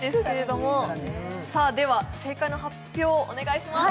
では、正解の発表をお願いします。